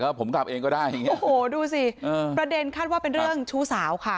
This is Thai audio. ก็ผมกลับเองก็ได้โอ้โหดูสิเออประเด็นคาดว่าเป็นเรื่องชู้สาวค่ะ